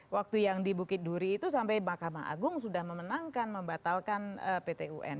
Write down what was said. waktu yang di bukit duri itu sampai mahkamah agung sudah memenangkan membatalkan pt un